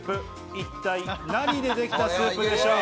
一体何でできたスープでしょう？